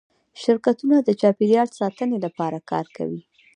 شرکتونه د چاپیریال ساتنې لپاره کار کوي؟